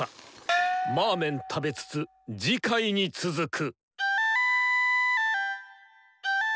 魔ーメン食べつつ次回に続く！